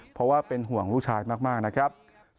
เพราะว่าเป็นห่วงลูกชายมากนะครับ